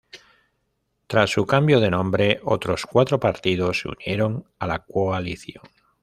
Tras su cambio de nombre, otros cuatro partidos se unieron a la coalición.